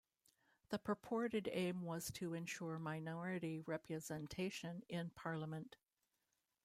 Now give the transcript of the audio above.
The purported aim was to ensure minority representation in Parliament.